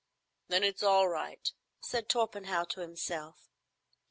"Then it's all right," said Torpenhow to himself.